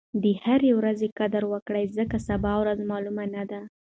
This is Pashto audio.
د هرې ورځې قدر وکړئ ځکه سبا ورځ معلومه نه ده.